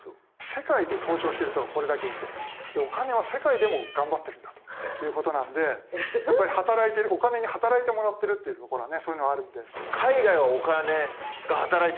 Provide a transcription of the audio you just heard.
世界で投資をしている人がこれだけいてお金は世界でも頑張ってるんだということなんでお金に働いてもらってるっていうところはねそういうのはあるんで。